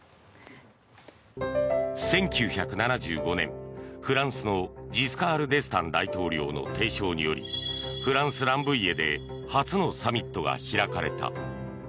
１９７５年、フランスのジスカールデスタン大統領の提唱によりフランス・ランブイエで初のサミットが開かれた。